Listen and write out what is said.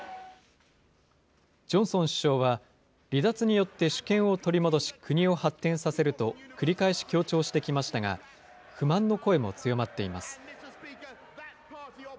ジョンソン首相は離脱によって主権を取り戻し国を発展させると、繰り返し強調してきましたが、不満の声も強まっています。